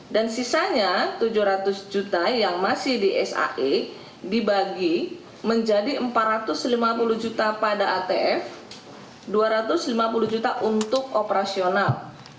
dan sisanya rp tujuh ratus juta yang masih di sae dibagi menjadi rp empat ratus lima puluh juta pada atf rp dua ratus lima puluh juta untuk operasional